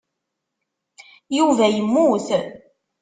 Yuba yemmut.